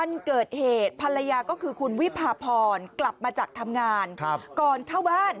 เรื่องของแอลกอฮอล์ล้างมือ